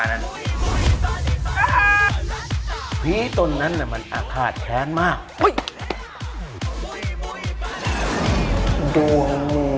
เตียต้องเป็นของแฟนคุณเดียว